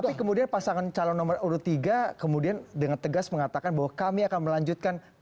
tapi kemudian pasangan calon nomor urut tiga kemudian dengan tegas mengatakan bahwa kami akan melanjutkan